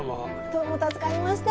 どうも助かりました。